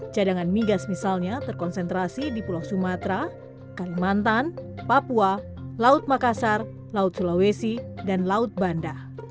cadangan migas misalnya terkonsentrasi di pulau sumatera kalimantan papua laut makassar laut sulawesi dan laut banda